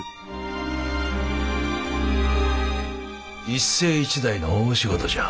一世一代の大仕事じゃ。